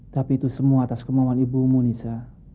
tapi itu semua atas kemauan ibumu nisa